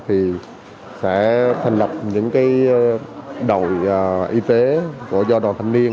thì sẽ thành lập những đội y tế của do đoàn thanh niên